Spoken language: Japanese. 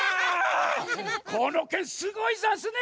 このけんすごいざんすね。